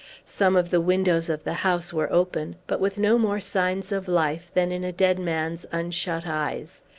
Some of the windows of the house were open, but with no more signs of life than in a dead man's unshut eyes.